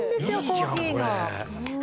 コーヒーの。